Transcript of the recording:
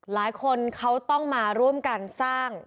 หลายคนเขาต้องมาร่วมกันสร้าง